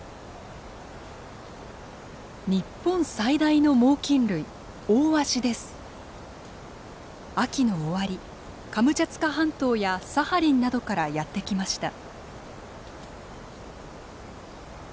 日本最大の猛きん類秋の終わりカムチャツカ半島やサハリンなどからやって来ました。